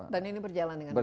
dan ini berjalan dengan baik